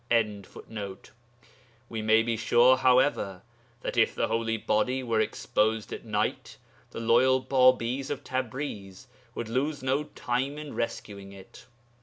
] We may be sure, however, that if the holy body were exposed at night, the loyal Bābīs of Tabriz would lose no time in rescuing it.